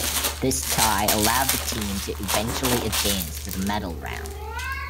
This tie allowed the team to eventually advance to the medal round.